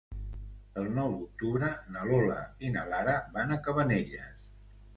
El nou d'octubre na Lola i na Lara van a Cabanelles.